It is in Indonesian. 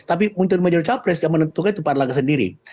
tapi muncul menjadi capres yang menentukan itu pak erlangga sendiri